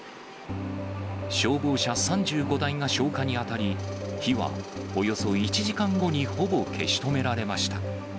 消防車３５台が消火に当たり、火はおよそ１時間後にほぼ消し止められました。